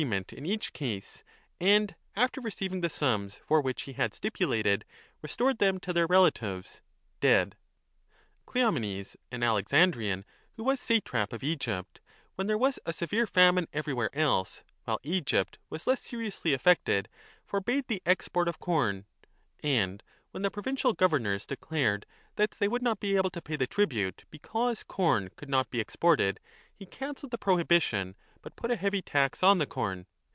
2 1352* ment in each case and, after receiving the sums for which 15 he had stipulated, restored them to their relatives dead. Cleomenes, an Alexandrian who was satrap of Egypt, when there was a severe famine everywhere else while Egypt was less seriously affected, forbade the export of corn, and when the provincial governors declared that they would not be able to pay the tribute because corn could not be exported, he cancelled the prohibition, but 20 put a heavy tax on the corn.